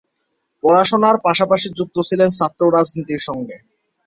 পড়াশোনার পাশাপাশি যুক্ত ছিলেন ছাত্র রাজনীতির সঙ্গে।